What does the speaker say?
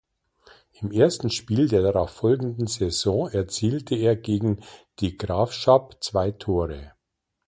Im ersten Spiel der darauffolgenden Saison erzielte er gegen De Graafschap zwei Tore.